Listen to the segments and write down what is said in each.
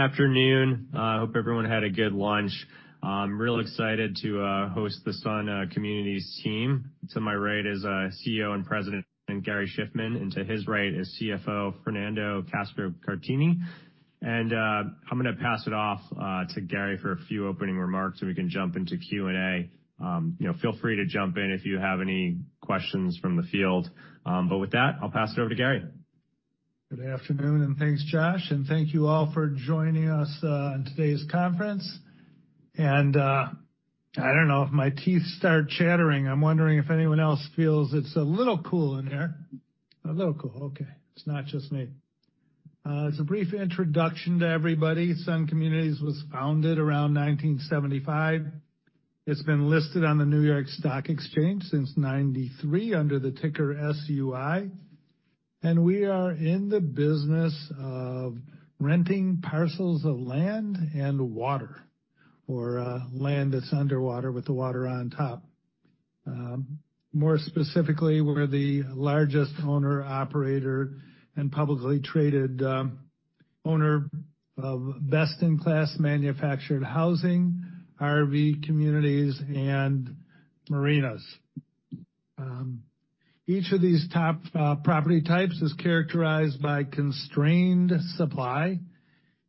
Afternoon. I hope everyone had a good lunch. I'm real excited to host the Sun Communities team. To my right is CEO and President, Gary Shiffman, and to his right is CFO, Fernando Castro-Caratini. And I'm gonna pass it off to Gary for a few opening remarks, and we can jump into Q&A. You know, feel free to jump in if you have any questions from the field. But with that, I'll pass it over to Gary. Good afternoon, and thanks, Josh, and thank you all for joining us on today's conference. I don't know, if my teeth start chattering, I'm wondering if anyone else feels it's a little cool in here. A little cool. Okay, it's not just me. As a brief introduction to everybody, Sun Communities was founded around 1975. It's been listed on the New York Stock Exchange since 1993 under the ticker SUI, and we are in the business of renting parcels of land and water, or, land that's underwater with the water on top. More specifically, we're the largest owner, operator, and publicly traded owner of best-in-class manufactured housing, RV communities, and marinas. Each of these top property types is characterized by constrained supply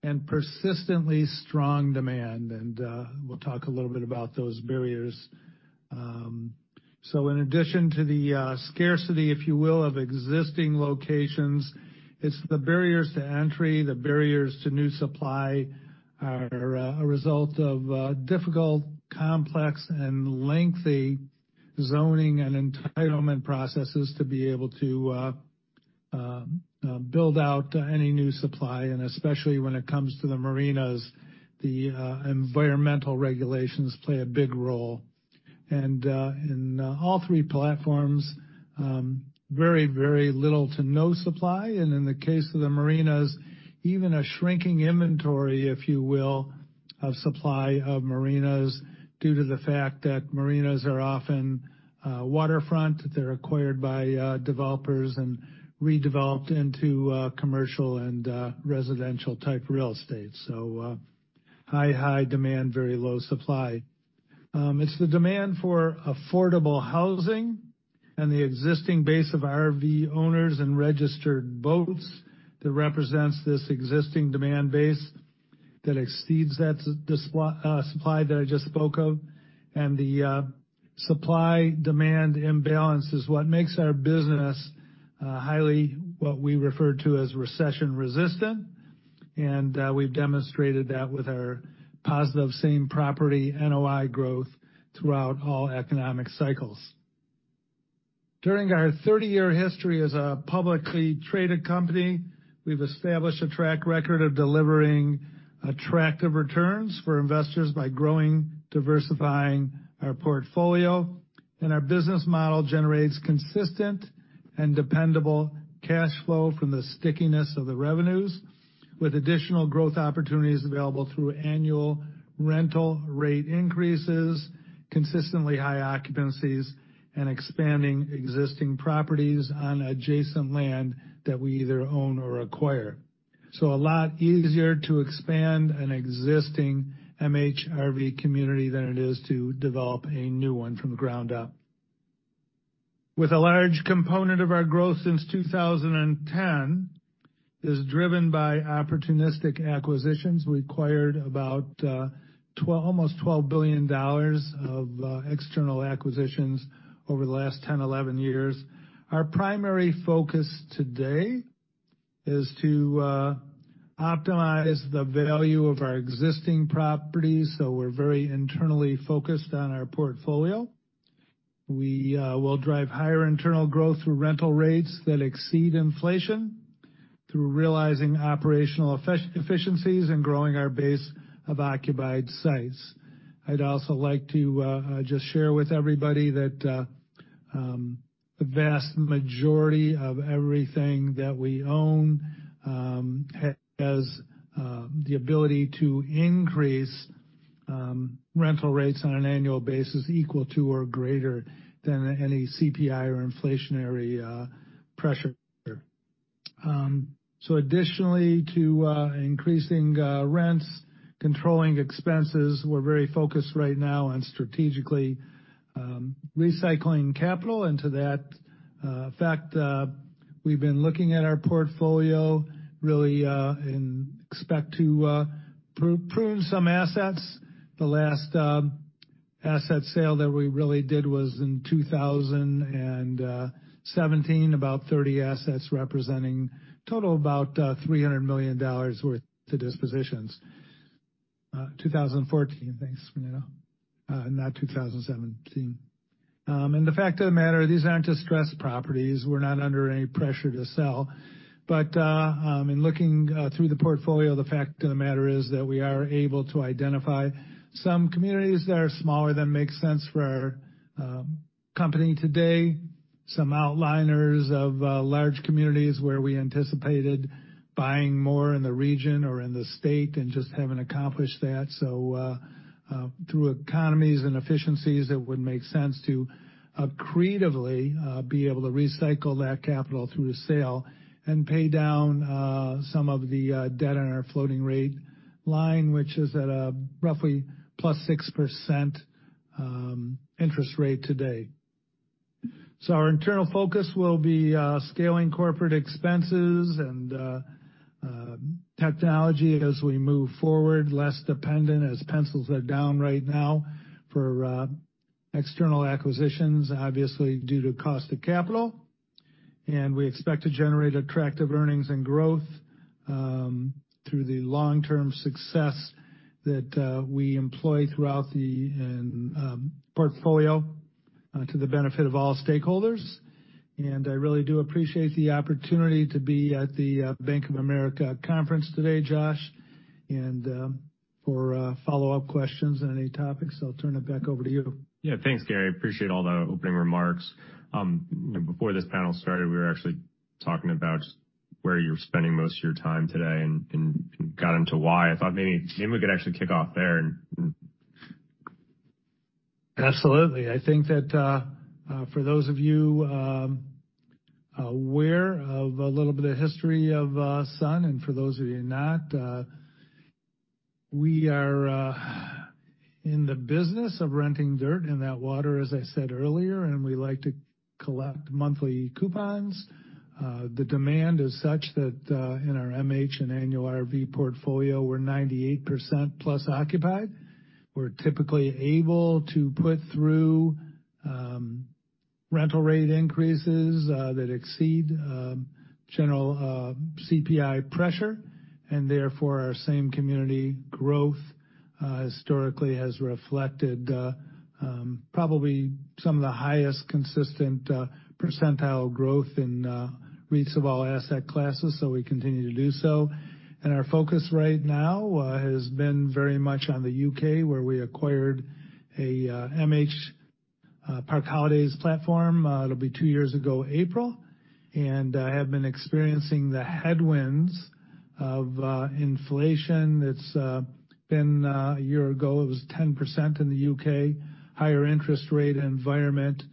and persistently strong demand, and, we'll talk a little bit about those barriers. So in addition to the scarcity, if you will, of existing locations, it's the barriers to entry. The barriers to new supply are a result of difficult, complex, and lengthy zoning and entitlement processes to be able to build out any new supply, and especially when it comes to the marinas, the environmental regulations play a big role. In all three platforms, very, very little to no supply, and in the case of the marinas, even a shrinking inventory, if you will, of supply of marinas, due to the fact that marinas are often waterfront. They're acquired by developers and redeveloped into commercial and residential-type real estate. So high, high demand, very low supply. It's the demand for affordable housing and the existing base of RV owners and registered boats that represents this existing demand base that exceeds that supply that I just spoke of, and the supply-demand imbalance is what makes our business highly, what we refer to as recession-resistant, and we've demonstrated that with our positive Same Property NOI growth throughout all economic cycles. During our 30-year history as a publicly traded company, we've established a track record of delivering attractive returns for investors by growing, diversifying our portfolio, and our business model generates consistent and dependable cash flow from the stickiness of the revenues, with additional growth opportunities available through annual rental rate increases, consistently high occupancies, and expanding existing properties on adjacent land that we either own or acquire. So a lot easier to expand an existing MH/RV community than it is to develop a new one from the ground up. With a large component of our growth since 2010 is driven by opportunistic acquisitions, we acquired about almost $12 billion of external acquisitions over the last 10, 11 years. Our primary focus today is to optimize the value of our existing properties, so we're very internally focused on our portfolio. We will drive higher internal growth through rental rates that exceed inflation, through realizing operational efficiencies and growing our base of occupied sites. I'd also like to just share with everybody that the vast majority of everything that we own has the ability to increase rental rates on an annual basis equal to or greater than any CPI or inflationary pressure. So additionally, to increasing rents, controlling expenses, we're very focused right now on strategically recycling capital, and to that fact, we've been looking at our portfolio really and expect to prune some assets. The last asset sale that we really did was in 2017, about 30 assets, representing total of about $300 million worth to dispositions. 2014. Thanks, Fernando. Not 2017. And the fact of the matter, these aren't distressed properties. We're not under any pressure to sell. But in looking through the portfolio, the fact of the matter is that we are able to identify some communities that are smaller than makes sense for our company today. Some outliers of large communities where we anticipated buying more in the region or in the state and just haven't accomplished that. So, through economies and efficiencies, it would make sense to accretively be able to recycle that capital through the sale and pay down some of the debt on our floating rate line, which is at a roughly +6% interest rate today. So our internal focus will be scaling corporate expenses and technology as we move forward, less dependent as pencils are down right now for external acquisitions, obviously, due to cost of capital. And we expect to generate attractive earnings and growth through the long-term success that we employ throughout the portfolio to the benefit of all stakeholders. I really do appreciate the opportunity to be at the Bank of America conference today, Josh, and for follow-up questions on any topics, I'll turn it back over to you. Yeah. Thanks, Gary. Appreciate all the opening remarks. You know, before this panel started, we were actually talking about where you're spending most of your time today and got into why. I thought maybe we could actually kick off there and- Absolutely. I think that for those of you aware of a little bit of history of Sun, and for those of you not, we are in the business of renting dirt, and that water, as I said earlier, and we like to collect monthly coupons. The demand is such that in our MH and annual RV portfolio, we're 98% plus occupied. We're typically able to put through rental rate increases that exceed general CPI pressure, and therefore, our same community growth historically has reflected probably some of the highest consistent percentile growth in REITs of all asset classes, so we continue to do so. And our focus right now has been very much on the U.K., where we acquired a MH Park Holidays platform. It'll be two years ago, April, and have been experiencing the headwinds of inflation. It's been a year ago, it was 10% in the U.K., higher interest rate environment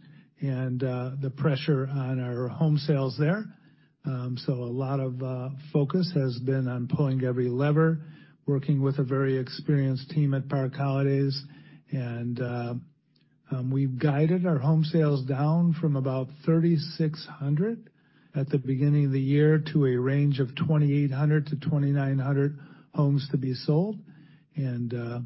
and the pressure on our home sales there. So a lot of focus has been on pulling every lever, working with a very experienced team at Park Holidays, and we've guided our home sales down from about 3,600 at the beginning of the year to a range of 2,800-2,900 homes to be sold. And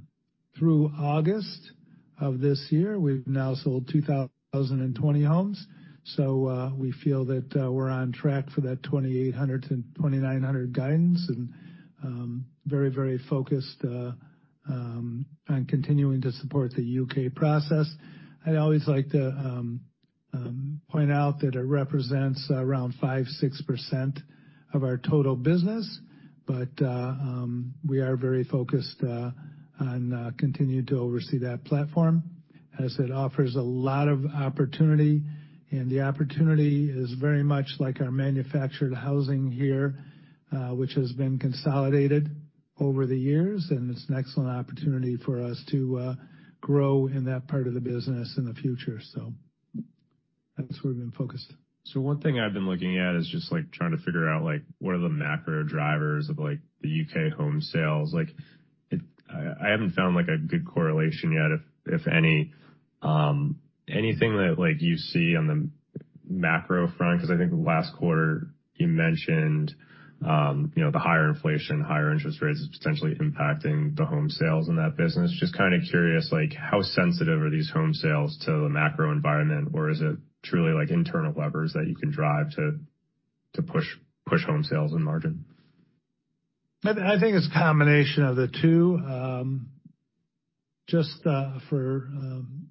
through August of this year, we've now sold 2,020 homes. So we feel that we're on track for that 2,800-2,900 guidance and very, very focused on continuing to support the U.K. process. I'd always like to point out that it represents around 5%-6% of our total business, but we are very focused on continuing to oversee that platform, as it offers a lot of opportunity, and the opportunity is very much like our manufactured housing here, which has been consolidated over the years, and it's an excellent opportunity for us to grow in that part of the business in the future. So that's where we've been focused. So one thing I've been looking at is just, like, trying to figure out, like, what are the macro drivers of, like, the U.K. home sales. Like, I haven't found, like, a good correlation yet, if any. Anything that, like, you see on the macro front? Because I think last quarter you mentioned, you know, the higher inflation, higher interest rates is potentially impacting the home sales in that business. Just kind of curious, like, how sensitive are these home sales to the macro environment, or is it truly, like, internal levers that you can drive to push home sales and margin? I think it's a combination of the two. Just for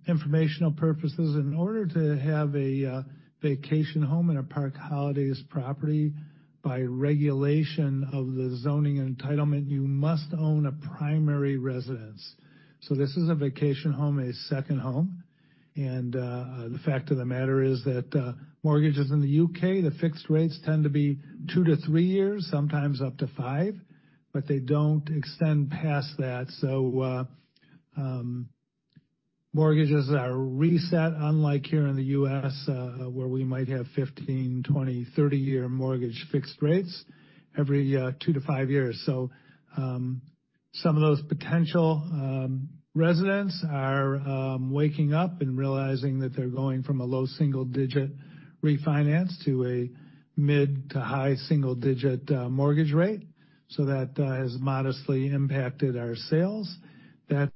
informational purposes, in order to have a vacation home in a Park Holidays property, by regulation of the zoning and entitlement, you must own a primary residence. So this is a vacation home, a second home, and the fact of the matter is that mortgages in the U.K., the fixed rates tend to be two to three years, sometimes up to five, but they don't extend past that. So mortgages are reset, unlike here in the U.S., where we might have 15-, 20-, 30-year mortgage fixed rates, every two to five years. So some of those potential residents are waking up and realizing that they're going from a low single-digit refinance to a mid- to high single-digit mortgage rate. So that has modestly impacted our sales. That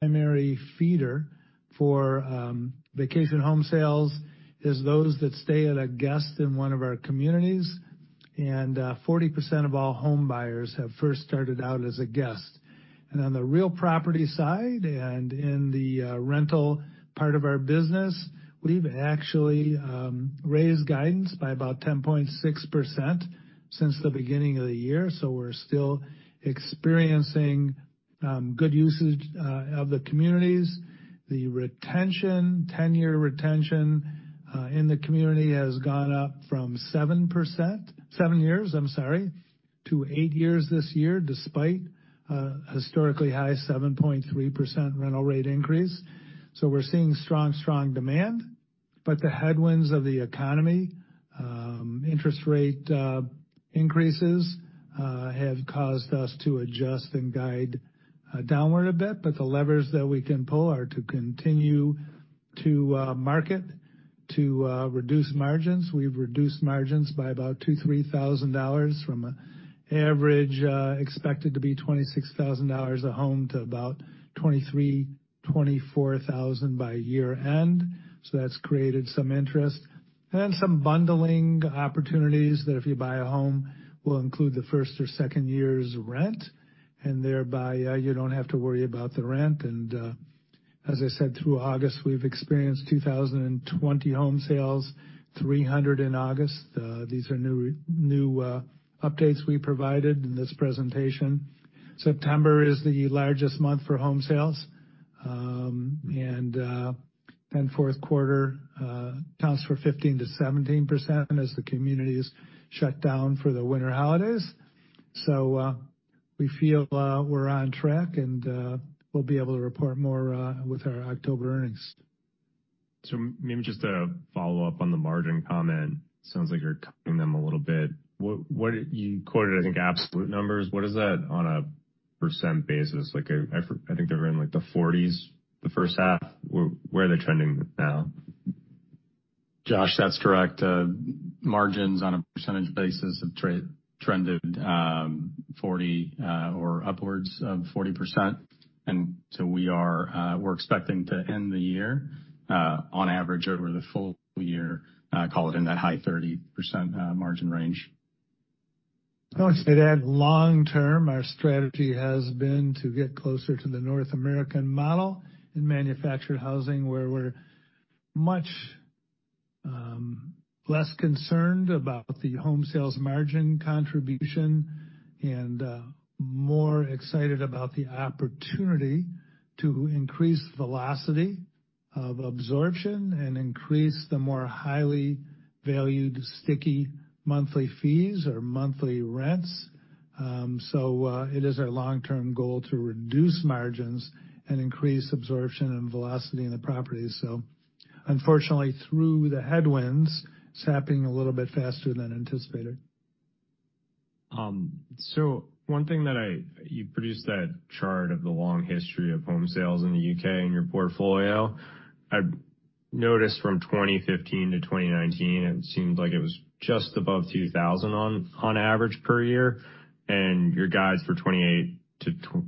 that primary feeder for vacation home sales is those that stay at a guest in one of our communities, and 40% of all home buyers have first started out as a guest. And on the real property side, and in the rental part of our business, we've actually raised guidance by about 10.6% since the beginning of the year, so we're still experiencing good usage of the communities. The retention, tenure retention in the community has gone up from 7% seven years, I'm sorry, to eight years this year, despite a historically high 7.3% rental rate increase. So we're seeing strong, strong demand, but the headwinds of the economy, interest rate increases have caused us to adjust and guide downward a bit. But the levers that we can pull are to continue to market, to reduce margins. We've reduced margins by about $2,000-$3,000 from average expected to be $26,000 a home to about $23,000-$24,000 by year-end. So that's created some interest and some bundling opportunities that if you buy a home, we'll include the first or second year's rent, and thereby you don't have to worry about the rent. And as I said, through August, we've experienced 2,020 home sales, 300 in August. These are new updates we provided in this presentation. September is the largest month for home sales. Fourth quarter counts for 15%-17% as the community is shut down for the winter holidays. We feel we're on track, and we'll be able to report more with our October earnings. So maybe just a follow-up on the margin comment. Sounds like you're cutting them a little bit. What you quoted, I think, absolute numbers. What is that on a percent basis? Like, I think they were in, like, the forties, the first half. Where are they trending now? Josh, that's correct. Margins on a percentage basis have trended 40% or upwards of 40%. And so we are, we're expecting to end the year on average, over the full year, call it in that high 30% margin range. I would say that long-term, our strategy has been to get closer to the North American model in manufactured housing, where we're much less concerned about the home sales margin contribution and more excited about the opportunity to increase velocity of absorption and increase the more highly valued, sticky monthly fees or monthly rents. It is our long-term goal to reduce margins and increase absorption and velocity in the properties. So unfortunately, through the headwinds, it's happening a little bit faster than anticipated. So one thing that I... You produced that chart of the long history of home sales in the U.K. and your portfolio. I noticed from 2015 to 2019, it seemed like it was just above 2,000 on average per year, and your guides for 2,800-2,900.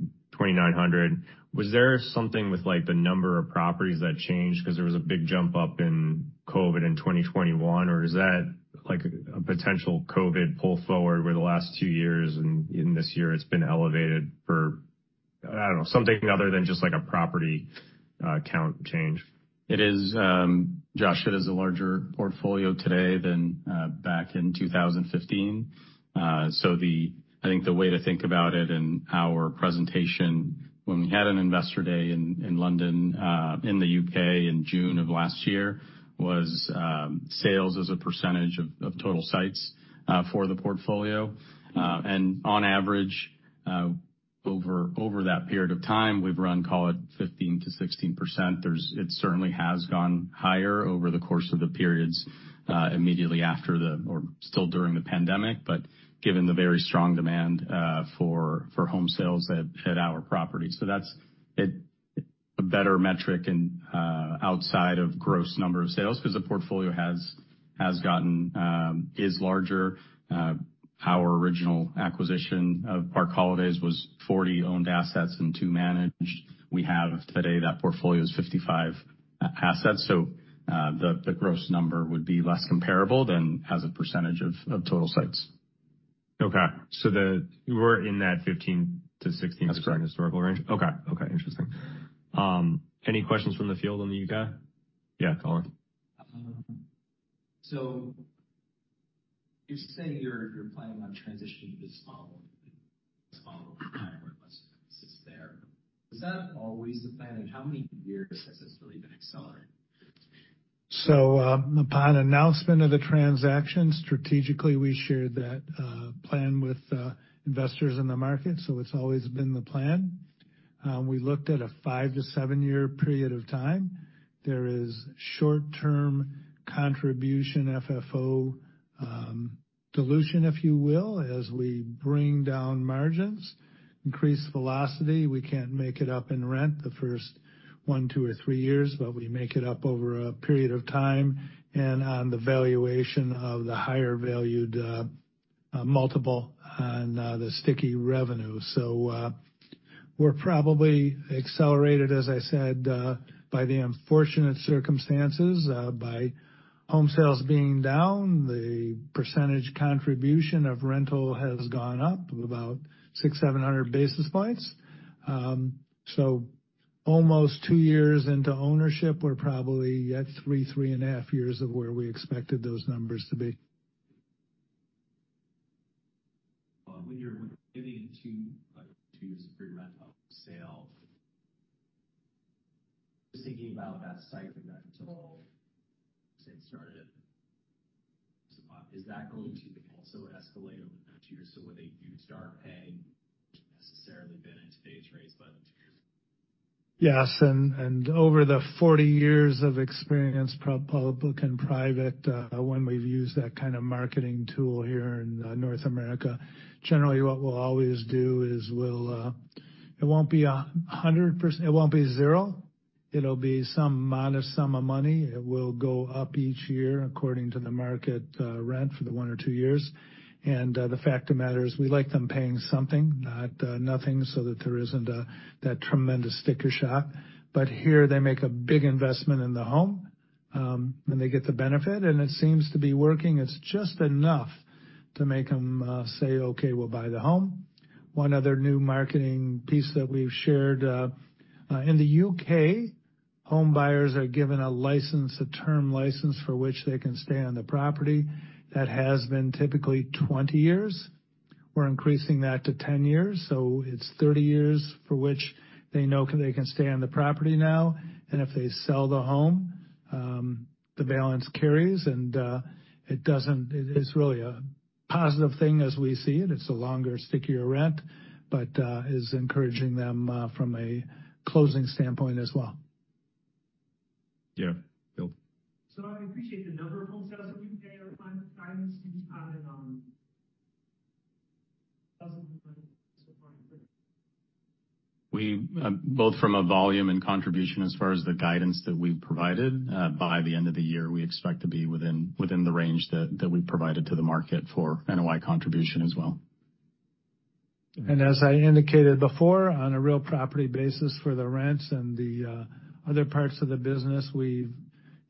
Was there something with, like, the number of properties that changed? Because there was a big jump up in COVID in 2021, or is that, like, a potential COVID pull forward over the last two years, and in this year, it's been elevated for, I don't know, something other than just, like, a property count change. It is, Josh, it is a larger portfolio today than back in 2015. So, I think the way to think about it in our presentation when we had an investor day in London in the U.K. in June of last year was sales as a percentage of total sites for the portfolio. And on average over that period of time, we've run, call it 15%-16%. It certainly has gone higher over the course of the periods immediately after the or still during the pandemic, but given the very strong demand for home sales at our properties. So that's it, a better metric and outside of gross number of sales, because the portfolio has gotten larger. Our original acquisition of Park Holidays was 40 owned assets and two managed. We have today, that portfolio is 55 assets, so, the gross number would be less comparable than as a percentage of total sites. Okay. So you were in that 15-16% That's correct. historical range. Okay. Okay, interesting. Any questions from the field on the U.K.? Yeah, Colin. So you're saying you're planning on transitioning to this model there. Was that always the plan, and how many years has this really been accelerating? So, upon announcement of the transaction, strategically, we shared that plan with investors in the market, so it's always been the plan. We looked at a five to seven-year period of time. There is short-term contribution, FFO, dilution, if you will, as we bring down margins, increase velocity. We can't make it up in rent the first one, two, or three years, but we make it up over a period of time and on the valuation of the higher valued multiple on the sticky revenue. So, we're probably accelerated, as I said, by the unfortunate circumstances, by home sales being down, the percentage contribution of rental has gone up about 600-700 basis points. So almost two years into ownership, we're probably at three, 3.5 years of where we expected those numbers to be. When you're giving two, two years of free rent on sale, just thinking about that cycle that took off since it started, is that going to also escalate over the two years? So would they start paying necessarily been at today's rates by the two years? Yes, and over the 40 years of experience, public and private, when we've used that kind of marketing tool here in North America, generally, what we'll always do is we'll, it won't be 100%—it won't be zero. It'll be some modest sum of money. It will go up each year according to the market rent for the one or two years. And the fact of the matter is, we like them paying something, not nothing, so that there isn't that tremendous sticker shock. But here, they make a big investment in the home, and they get the benefit, and it seems to be working. It's just enough to make them say, "Okay, we'll buy the home." One other new marketing piece that we've shared in the U.K., homebuyers are given a license, a term license, for which they can stay on the property. That has been typically 20 years. We're increasing that to 10 years, so it's 30 years for which they know they can stay on the property now, and if they sell the home, the balance carries, and it doesn't—it, it's really a positive thing as we see it. It's a longer, stickier rent, but is encouraging them from a closing standpoint as well. Yeah. Bill. So I appreciate the number of home sales that you put in your final guidance. Can you comment on thousands of homes sold so far? We both from a volume and contribution as far as the guidance that we've provided, by the end of the year, we expect to be within the range that we provided to the market for NOI contribution as well. And as I indicated before, on a real property basis for the rents and the other parts of the business, we've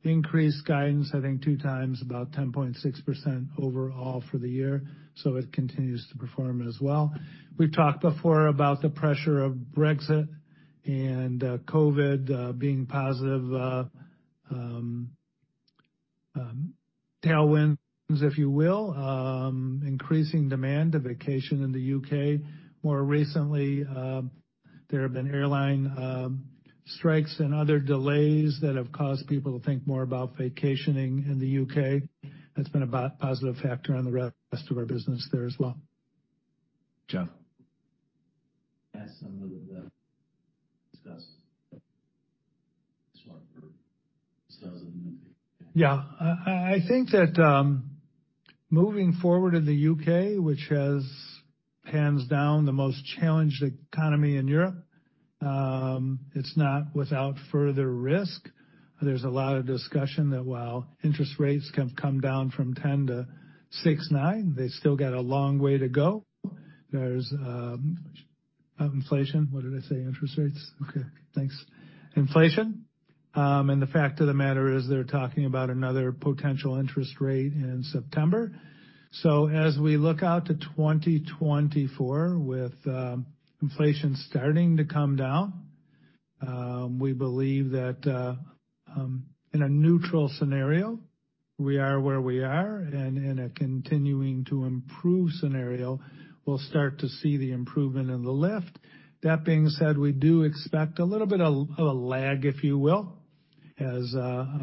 increased guidance, I think, two times, about 10.6% overall for the year, so it continues to perform as well. We've talked before about the pressure of Brexit and COVID being positive tailwinds, if you will, increasing demand of vacation in the U.K. More recently, there have been airline strikes and other delays that have caused people to think more about vacationing in the U.K. That's been a positive factor on the rest of our business there as well. John? Ask some of the discuss for sales. Yeah. I think that moving forward in the U.K., which has hands down the most challenged economy in Europe, it's not without further risk. There's a lot of discussion that while interest rates have come down from 10 to 6.9, they still got a long way to go. There's Inflation. Inflation. What did I say? Interest rates. Okay, thanks. Inflation. And the fact of the matter is, they're talking about another potential interest rate in September. So as we look out to 2024, with inflation starting to come down, we believe that in a neutral scenario, we are where we are, and in a continuing to improve scenario, we'll start to see the improvement in the lift. That being said, we do expect a little bit of a lag, if you will, as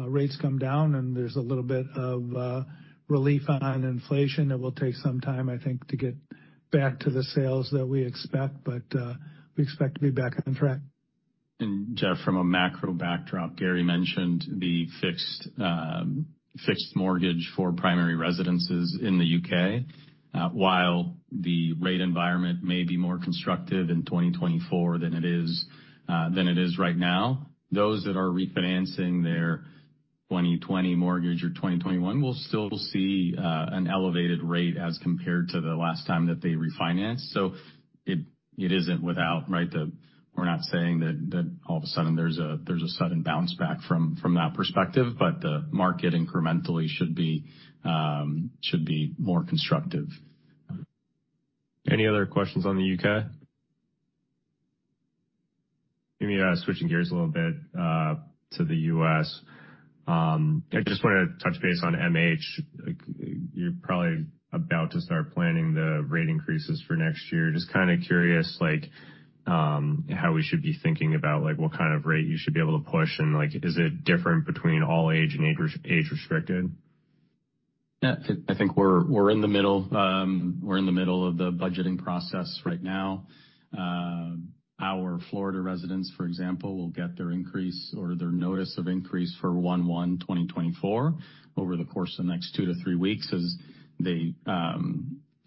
rates come down and there's a little bit of relief on inflation. It will take some time, I think, to get back to the sales that we expect, but we expect to be back on track. And Jeff, from a macro backdrop, Gary mentioned the fixed fixed mortgage for primary residences in the U.K. While the rate environment may be more constructive in 2024 than it is than it is right now, those that are refinancing their 2020 mortgage or 2021, will still see an elevated rate as compared to the last time that they refinanced. So it, it isn't without, right, the. We're not saying that, that all of a sudden there's a, there's a sudden bounce back from, from that perspective, but the market incrementally should be should be more constructive. Any other questions on the U.K.? Maybe, switching gears a little bit, to the U.S. I just wanna touch base on MH. Like, you're probably about to start planning the rate increases for next year. Just kind of curious, like, how we should be thinking about, like, what kind of rate you should be able to push, and, like, is it different between all age and age-restricted? Yeah. I think we're in the middle of the budgeting process right now. Our Florida residents, for example, will get their increase or their notice of increase for 1/1/2024 over the course of the next two to three weeks, as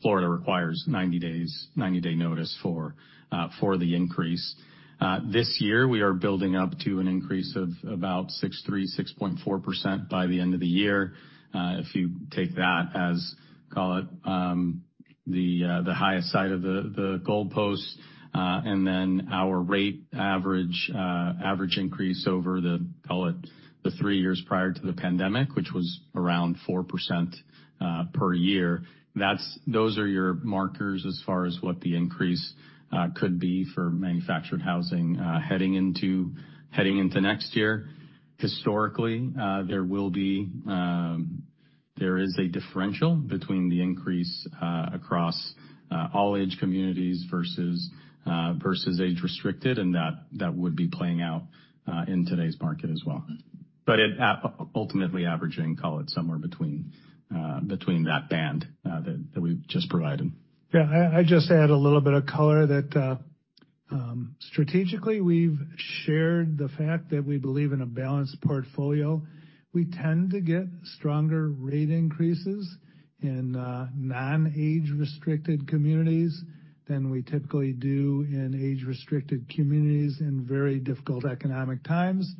Florida requires 90-day notice for the increase. This year, we are building up to an increase of about 6.3%-6.4% by the end of the year. If you take that as, call it, the highest side of the goalpost, and then our rate average, average increase over the, call it, the three years prior to the pandemic, which was around 4% per year, that's—those are your markers as far as what the increase could be for manufactured housing heading into next year. Historically, there will be... there is a differential between the increase across all age communities versus age-restricted, and that would be playing out in today's market as well. But it ultimately averaging, call it somewhere between that band that we've just provided. Yeah, I just add a little bit of color that strategically, we've shared the fact that we believe in a balanced portfolio. We tend to get stronger rate increases in non-age-restricted communities than we typically do in age-restricted communities in very difficult economic times.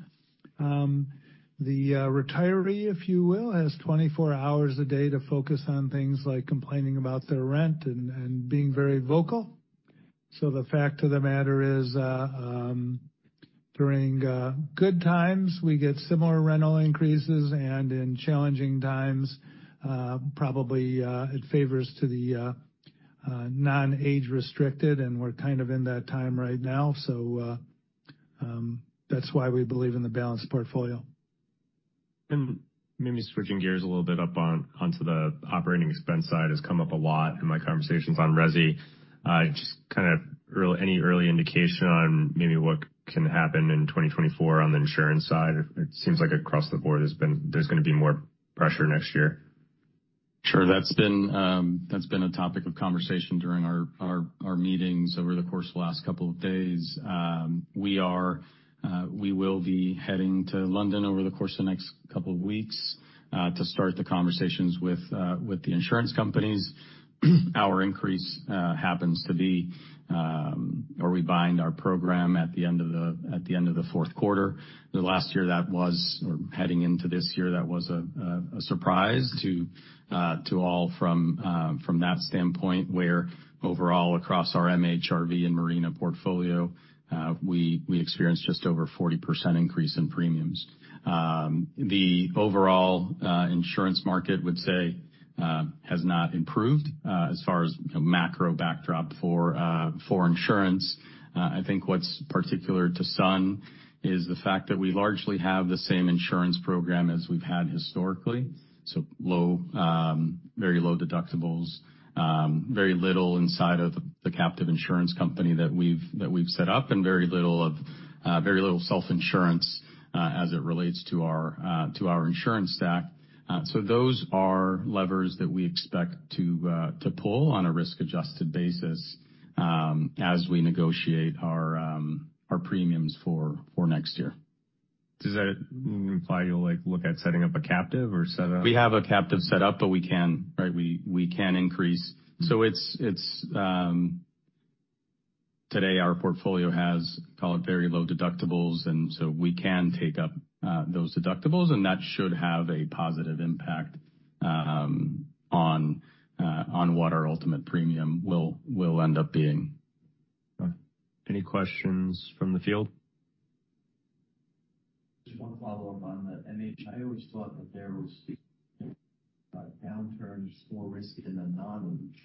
The retiree, if you will, has 24 hours a day to focus on things like complaining about their rent and being very vocal. So the fact of the matter is, during good times, we get similar rental increases, and in challenging times, probably it favors to the non-age restricted, and we're kind of in that time right now, so that's why we believe in the balanced portfolio. Maybe switching gears a little bit up onto the operating expense side, has come up a lot in my conversations on resi. Just kind of any early indication on maybe what can happen in 2024 on the insurance side? It seems like across the board, there's gonna be more pressure next year. Sure. That's been a topic of conversation during our meetings over the course of the last couple of days. We will be heading to London over the course of the next couple of weeks to start the conversations with the insurance companies. Our increase happens to be, or we bind our program at the end of the fourth quarter. The last year, that was, or heading into this year, that was a surprise to all from that standpoint, where overall, across our MH/RV and marina portfolio, we experienced just over 40% increase in premiums. The overall insurance market, I would say, has not improved as far as the macro backdrop for insurance. I think what's particular to Sun is the fact that we largely have the same insurance program as we've had historically. So low, very low deductibles, very little inside of the captive insurance company that we've set up, and very little of, very little self-insurance, as it relates to our, to our insurance stack. So those are levers that we expect to pull on a risk-adjusted basis, as we negotiate our premiums for next year. Does that imply you'll, like, look at setting up a captive or set up? We have a captive set up, but we can, right, increase. So it's today our portfolio has, call it, very low deductibles, and so we can take up those deductibles, and that should have a positive impact on what our ultimate premium will end up being. Any questions from the field? Just one follow-up on that. I always thought that there was downturns, more risk in the non-age.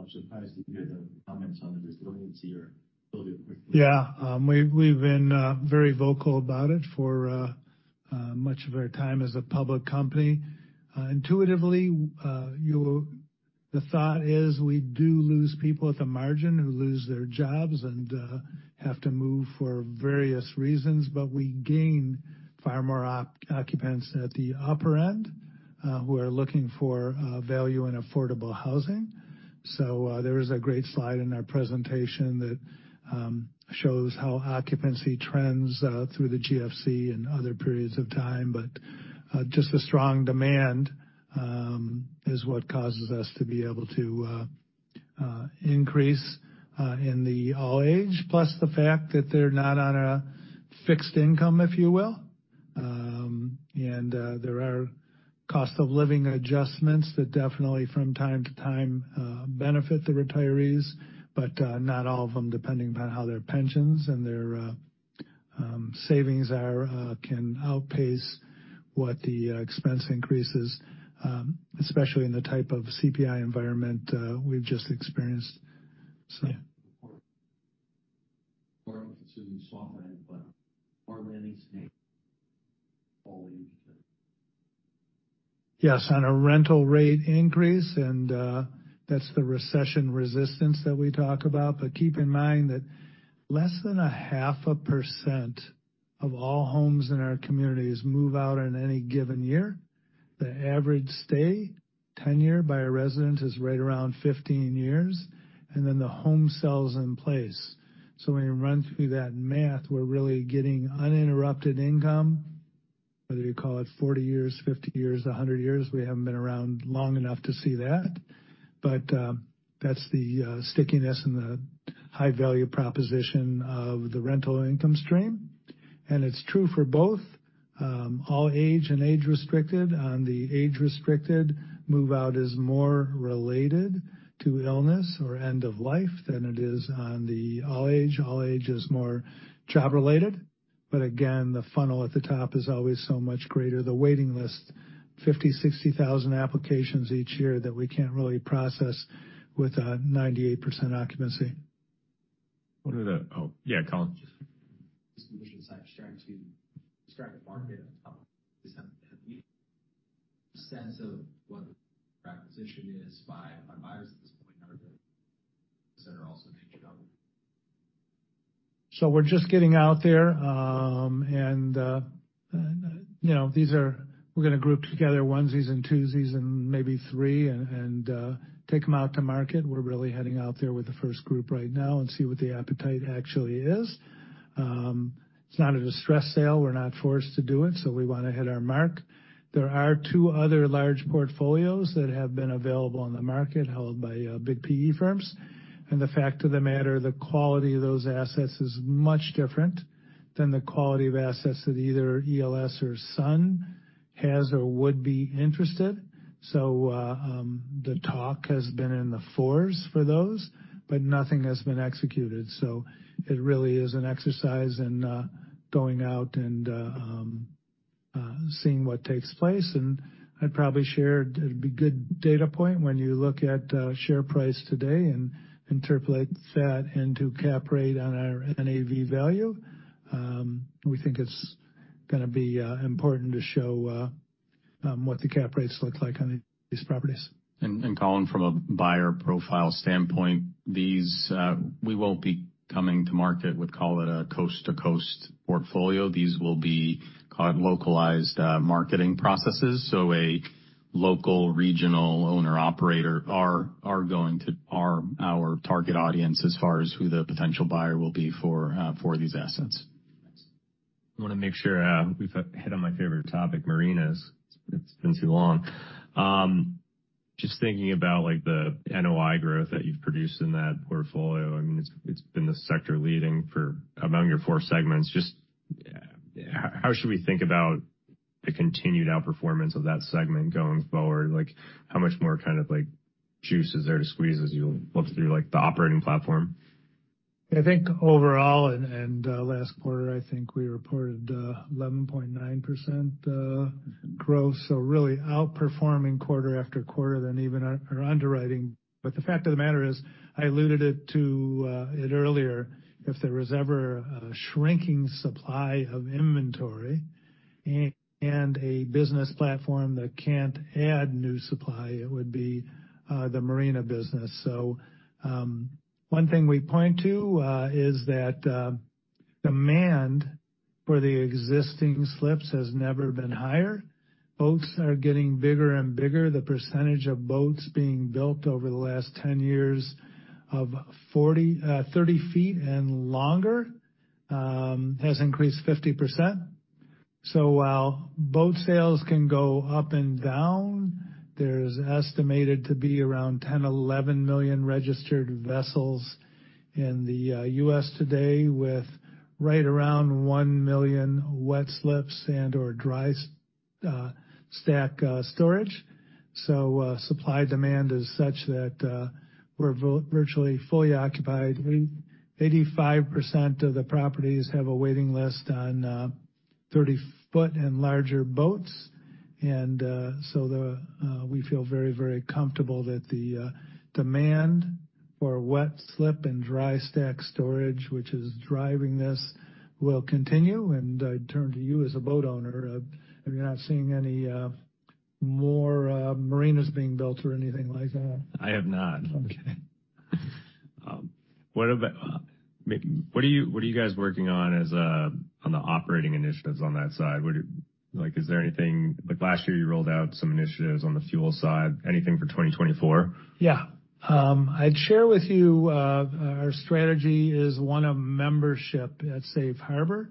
I'm surprised to hear the comments on the resiliency or a little bit quickly. Yeah. We've been very vocal about it for much of our time as a public company. Intuitively, you the thought is we do lose people at the margin who lose their jobs and have to move for various reasons, but we gain far more occupants at the upper end who are looking for value and affordable housing. So, there was a great slide in our presentation that shows how occupancy trends through the GFC and other periods of time, but just the strong demand is what causes us to be able to increase in the all age, plus the fact that they're not on a fixed income, if you will. There are cost of living adjustments that definitely, from time to time, benefit the retirees, but not all of them, depending on how their pensions and their savings are can outpace what the expense increases, especially in the type of CPI environment we've just experienced. So. Yeah. Considering softer, but are there any all age? Yes, on a rental rate increase, and that's the recession resistance that we talk about. But keep in mind that less than 0.5% of all homes in our communities move out in any given year. The average stay, tenure by a resident, is right around 15 years, and then the home sells in place. So when you run through that math, we're really getting uninterrupted income, whether you call it 40 years, 50 years, 100 years, we haven't been around long enough to see that. But that's the stickiness and the high value proposition of the rental income stream. And it's true for both all age and age-restricted. On the age-restricted, move-out is more related to illness or end of life than it is on the all age. All-age is more job-related, but again, the funnel at the top is always so much greater. The waiting list, 50,000-60,000 applications each year that we can't really process with a 98% occupancy. What are the-- Oh, yeah, Colin? Just the marina side, starting to get a sense of what the acquisition is by buyers at this point, are they also thinking of it? So we're just getting out there, and, you know, these are, we're gonna group together onesies and twosies and maybe three and, take them out to market. We're really heading out there with the first group right now and see what the appetite actually is. It's not a distressed sale. We're not forced to do it, so we wanna hit our mark. There are two other large portfolios that have been available on the market, held by, big PE firms. And the fact of the matter, the quality of those assets is much different than the quality of assets that either ELS or Sun has or would be interested. So, the talk has been in the fours for those, but nothing has been executed. So it really is an exercise in going out and seeing what takes place. I'd probably share, it'd be good data point when you look at share price today and interpolate that into cap rate on our NAV value. We think it's gonna be important to show what the cap rates look like on these properties. And, Colin, from a buyer profile standpoint, these, we won't be coming to market, we'd call it a coast-to-coast portfolio. These will be called localized, marketing processes. So a local, regional owner operator are, are going to... are our target audience as far as who the potential buyer will be for, for these assets. I wanna make sure we've hit on my favorite topic, marinas. It's been too long. Just thinking about, like, the NOI growth that you've produced in that portfolio, I mean, it's been the sector leading among your four segments. Just, how should we think about the continued outperformance of that segment going forward? Like, how much more kind of like, juice is there to squeeze as you look through, like, the operating platform? I think overall, last quarter, I think we reported 11.9% growth, so really outperforming quarter after quarter than even our underwriting. But the fact of the matter is, I alluded to it earlier, if there was ever a shrinking supply of inventory and a business platform that can't add new supply, it would be the marina business. So, one thing we point to is that demand for the existing slips has never been higher. Boats are getting bigger and bigger. The percentage of boats being built over the last 10 years of 40, 30 feet and longer has increased 50%. So while boat sales can go up and down, there's estimated to be around 10 million-11 million registered vessels in the U.S. today, with right around 1 million wet slips and/or dry stack storage. So supply-demand is such that we're virtually fully occupied. 85% of the properties have a waiting list on 30 ft and larger boats. And so we feel very, very comfortable that the demand for wet slip and dry stack storage, which is driving this, will continue. And I turn to you as a boat owner, if you're not seeing any more marinas being built or anything like that. I have not. What about, what are you guys working on as on the operating initiatives on that side? Like, is there anything like, last year, you rolled out some initiatives on the fuel side. Anything for 2024? Yeah. I'd share with you, our strategy is one of membership at Safe Harbor.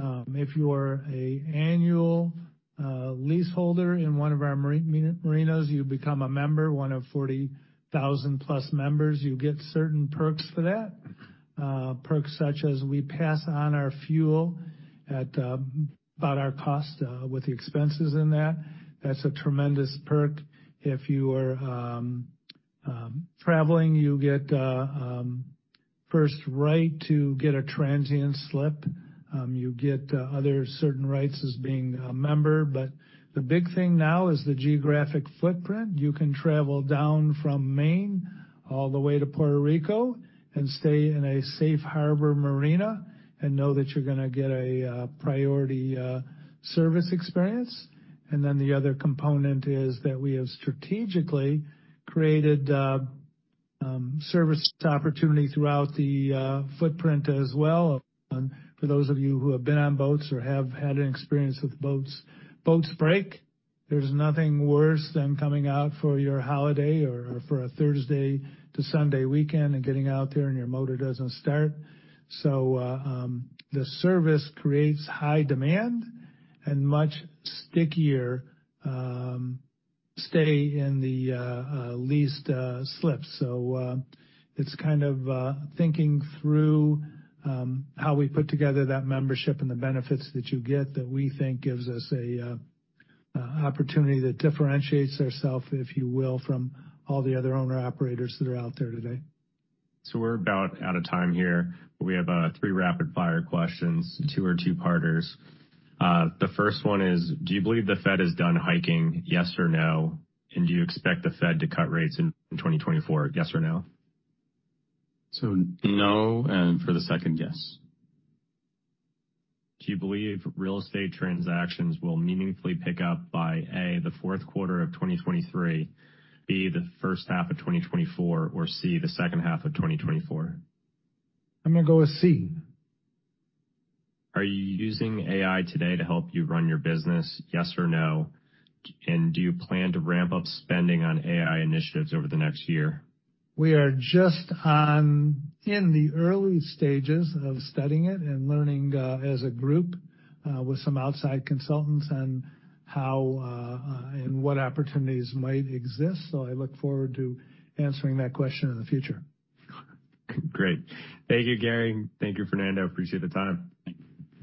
If you are a annual leaseholder in one of our marinas, marinas, you become a member, one of 40,000+ members. You get certain perks for that. Perks such as, we pass on our fuel at, about our cost, with the expenses in that. That's a tremendous perk. If you are traveling, you get first right to get a transient slip. You get other certain rights as being a member. But the big thing now is the geographic footprint. You can travel down from Maine all the way to Puerto Rico and stay in a Safe Harbor marina and know that you're gonna get a priority service experience. And then the other component is that we have strategically created service opportunities throughout the footprint as well. For those of you who have been on boats or have had an experience with boats, boats break. There's nothing worse than coming out for your holiday or for a Thursday to Sunday weekend and getting out there and your motor doesn't start. So, the service creates high demand and much stickier stay in the leased slips. So, it's kind of thinking through how we put together that membership and the benefits that you get that we think gives us a opportunity that differentiates ourselves, if you will, from all the other owner-operators that are out there today. So we're about out of time here. We have three rapid-fire questions, two are two-parters. The first one is: do you believe the Fed is done hiking, yes or no? And do you expect the Fed to cut rates in 2024, yes or no? No, and for the second, yes. Do you believe real estate transactions will meaningfully pick up by A, the fourth quarter of 2023, B, the first half of 2024, or C, the second half of 2024? I'm gonna go with C. Are you using AI today to help you run your business, yes or no? And do you plan to ramp up spending on AI initiatives over the next year? We are just on in the early stages of studying it and learning, as a group, with some outside consultants on how and what opportunities might exist. So I look forward to answering that question in the future. Great. Thank you, Gary. Thank you, Fernando. Appreciate the time.